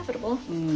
うん。